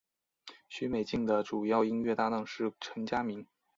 许美静的主要音乐搭档是陈佳明。